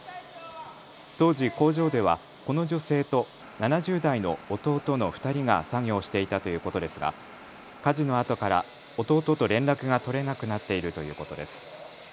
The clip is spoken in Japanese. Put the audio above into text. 当時、工場ではこの女性と７０代の弟の２人が作業していたということですが火事のあとから弟と連絡が取れなくなっているということです。